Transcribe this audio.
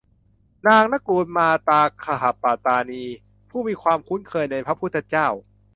นางนกุลมาตาคหปตานี ผู้มีความคุ้นเคยในพระพุทธเจ้า